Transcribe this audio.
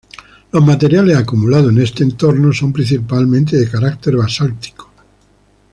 Los materiales acumulados en este entorno son principalmente de carácter basáltico.